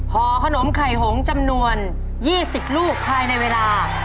ห่อขนมไข่หงจำนวน๒๐ลูกภายในเวลา